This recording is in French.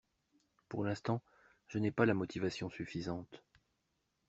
Pour l’instant, je n’ai pas la motivation suffisante.